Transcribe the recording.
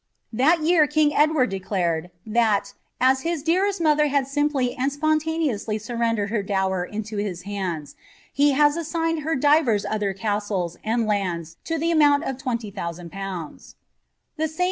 That ytmr king Edward declared,* " that, aa his dearest mother had simply and vponinneously surrendered her dower into his hands, he iiaa assignee divers other cosiles and lands lo the amount of 2000/." The same